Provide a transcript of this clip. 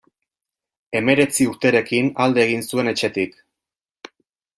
Hemeretzi urterekin alde egin zuen etxetik.